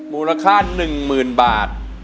มูลค่า๑๐๐๐บาท